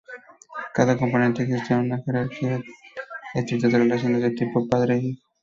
Cada componente existe en una jerarquía estricta de relaciones de tipo "padre-hijo".